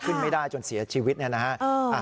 ขึ้นไม่ได้จนเสียชีวิตเนี่ยนะฮะ